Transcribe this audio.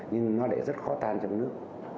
nhưng nó lại rất khó tan trong nước